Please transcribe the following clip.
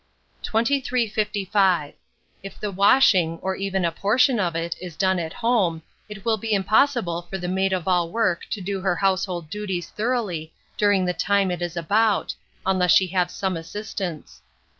2355. If the washing, or even a portion of it, is done at home, it will be impossible for the maid of all work to do her household duties thoroughly, during the time it is about, unless she have some assistance.